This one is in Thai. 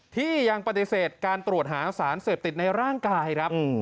ที่ยังปฏิเสธการตรวจหาสารเสพติดในร่างกายครับ